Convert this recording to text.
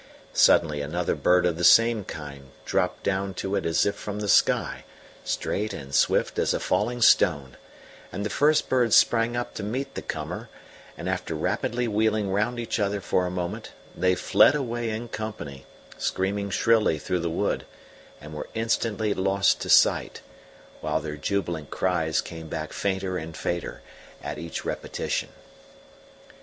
Suddenly another bird of the same kind dropped down to it as if from the sky, straight and swift as a falling stone; and the first bird sprang up to meet the comer, and after rapidly wheeling round each other for a moment, they fled away in company, screaming shrilly through the wood, and were instantly lost to sight, while their jubilant cries came back fainter and fainter at each repetition.